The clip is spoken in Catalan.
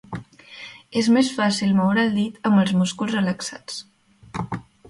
És més fàcil moure el dit amb els músculs relaxats.